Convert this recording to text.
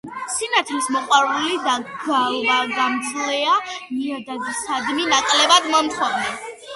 სინათლის მოყვარული და გვალვაგამძლეა, ნიადაგისადმი ნაკლებად მომთხოვნი.